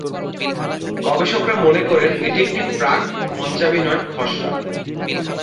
গবেষকরা মনে করেন এটি একটি প্রাক-মঞ্চাভিনয় খসড়া।